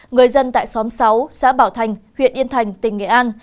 người dân tại xóm sáu xã bảo thành huyện yên thành tỉnh nghệ an